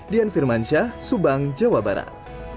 dian firmansyah subang jawa barat